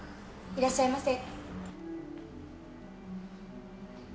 いらっしゃいませ。